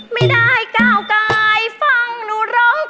ไม่ได้ก้าวกายฟังหนูร้อง